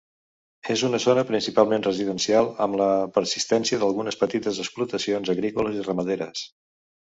És una zona principalment residencial, amb la persistència d'algunes petites explotacions agrícoles i ramaderes.